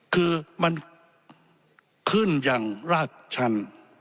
คือมันขึ้นอย่างราดชัน